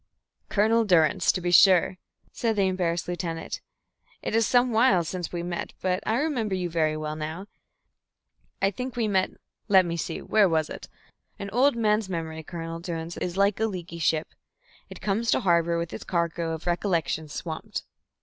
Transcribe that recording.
"Colonel Durrance, to be sure," said the embarrassed lieutenant. "It is some while since we met, but I remember you very well now. I think we met let me see where was it? An old man's memory, Colonel Durrance, is like a leaky ship. It comes to harbour with its cargo of recollections swamped."